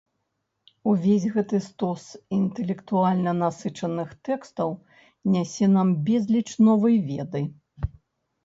Увесь гэты стос інтэлектуальна насычаных тэкстаў нясе нам безліч новай веды.